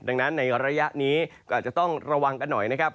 ดังนั้นในระยะนี้ก็อาจจะต้องระวังกันหน่อยนะครับ